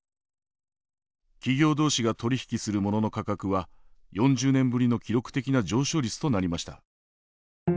企業同士が取り引きする物の価格は４０年ぶりの記録的な上昇率となりました。